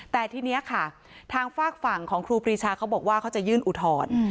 แต่ทีนี้ค่ะทางฝากฝั่งของครูปรีชาเขาบอกว่าเขาจะยื่นอุทธรณ์